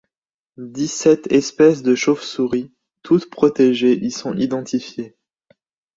Dix-sept espèces de chauve-souris, toutes protégées, y sont identifiées.